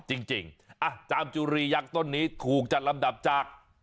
จริงจามจุรียักษ์ต้นนี้ถูกจัดลำดับจาก